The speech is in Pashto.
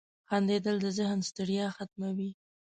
• خندېدل د ذهن ستړیا ختموي.